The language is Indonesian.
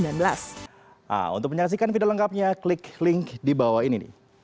nah untuk menyaksikan video lengkapnya klik link di bawah ini